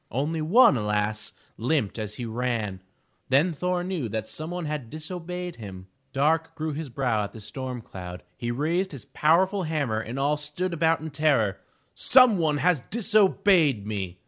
Only one, alas! limped as he ran. Then Thor knew that some one had disobeyed him. Dark grew his brow as the storm cloud; he raised his powerful hammer and all stood about in terror. "Some one has disobeyed me!''